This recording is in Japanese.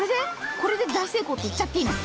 これで大成功って言っちゃっていいの？